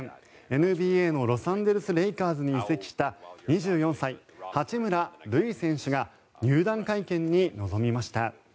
ＮＢＡのロサンゼルス・レイカーズに移籍した２４歳、八村塁選手が入団会見に臨みました。